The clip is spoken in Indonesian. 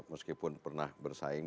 meskipun pernah bersaing